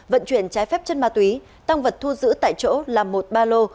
vận chuyển trái phép chất ma túy tăng vật thu giữ tại chỗ là một ba lô